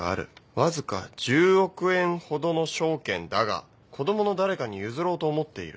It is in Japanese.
「わずか十億円ほどの証券だが子どもの誰かに譲ろうと思っている」